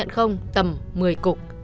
không tầm một mươi cục